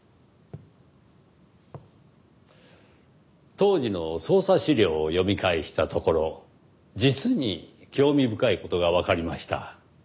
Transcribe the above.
当時の捜査資料を読み返したところ実に興味深い事がわかりました。